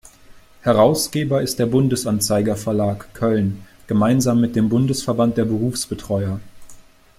Herausgeber ist der Bundesanzeiger-Verlag, Köln, gemeinsam mit dem Bundesverband der Berufsbetreuer.